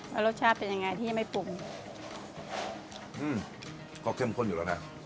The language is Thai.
แล้วรสชาติเป็นยังไงที่ไม่ปรุงอืมก็เข้มข้นอยู่แล้วน่ะ